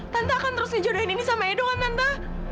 tante akan terus ngejodohin indi sama edo kan tante